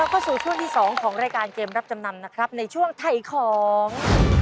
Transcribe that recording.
เข้าสู่ช่วงที่๒ของรายการเกมรับจำนำนะครับในช่วงถ่ายของ